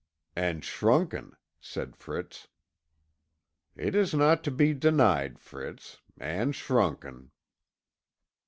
"And shrunken," said Fritz. "It is not to be denied, Fritz. And shrunken."